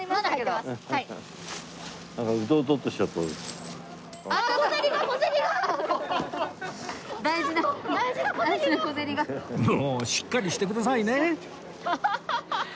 もうしっかりしてくださいね